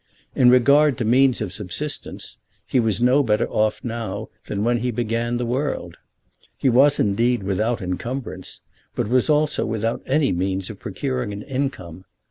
In regard to means of subsistence he was no better off now than when he began the world. He was, indeed, without incumbrance, but was also without any means of procuring an income.